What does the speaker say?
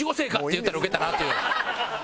言ったらウケたなという。